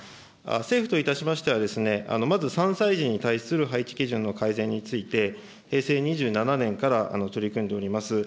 政府といたしましては、まず３歳児に対する配置基準の改善について、平成２７年から取り組んでおります。